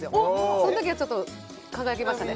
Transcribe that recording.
そのときはちょっと輝きましたね